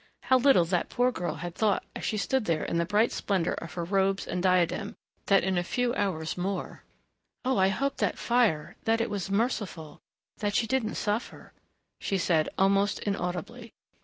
How little that poor girl had thought, as she stood there in the bright splendor of her robes and diadem, that in a few hours more "Oh, I hope that fire that it was merciful that she didn't suffer," she said almost inaudibly.